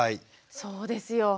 そうですよ。